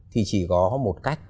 thì chỉ có một cách